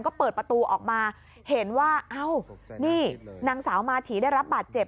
ก็เปิดประตูออกมาเห็นว่าเอ้านี่นางสาวมาถีได้รับบาดเจ็บ